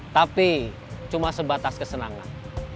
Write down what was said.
tapi cuma sebatas kesenangan